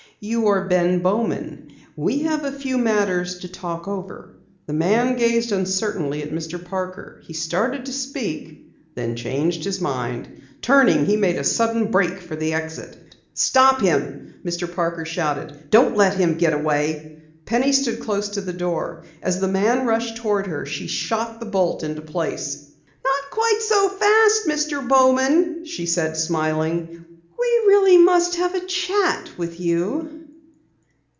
"You are Ben Bowman. We have a few matters to talk over." The man gazed uncertainly at Mr. Parker. He started to speak, then changed his mind. Turning, he made a sudden break for the exit. "Stop him!" Mr. Parker shouted. "Don't let him get away!" Penny stood close to the door. As the man rushed toward her, she shot a bolt into place. "Not quite so fast, Mr. Bowman," she said, smiling. "We really must have a chat with you."